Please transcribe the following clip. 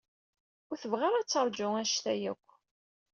Ur tebɣi ad teṛju anect-a akk.